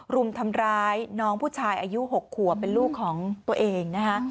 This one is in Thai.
รุมทำร้ายน้องผู้ชายอายุ๖ขัวเป็นลูกของตัวเองนะคะ